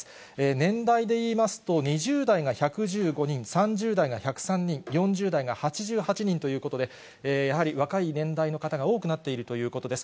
年代でいいますと、２０代が１１５人、３０代が１０３人、４０代が８８人ということで、やはり若い年代の方が多くなっているということです。